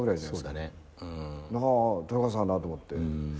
あ豊川さんだと思って。